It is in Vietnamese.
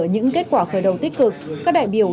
những kết quả khởi động tích cực các đại biểu